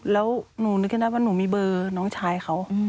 แล้วหนูนึกให้ได้ว่าหนูมีเบอร์น้องชายเขา